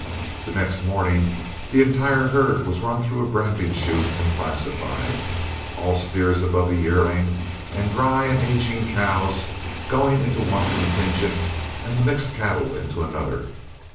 The next morning the entire herd was run through a branding chute and classified, all steers above a yearling and dry and aging cows going into one contingent and the mixed cattle into another.